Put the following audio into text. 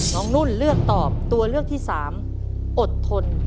นุ่นเลือกตอบตัวเลือกที่๓อดทน